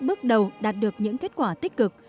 bước đầu đạt được những kết quả tích cực